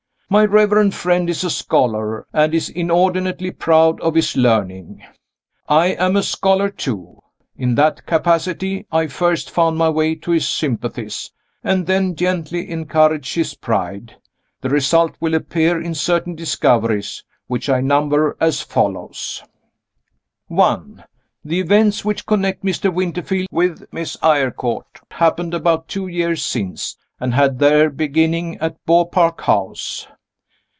My reverend friend is a scholar, and is inordinately proud of his learning. I am a scholar too. In that capacity I first found my way to his sympathies, and then gently encouraged his pride. The result will appear in certain discoveries, which I number as follows: 1. The events which connect Mr. Winterfield with Miss Eyrecourt happened about two years since, and had their beginning at Beaupark House.